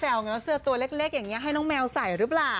หลายคนชอบแซวเสื้อตัวเล็กอย่างนี้ให้น้องแมวใส่หรือเปล่า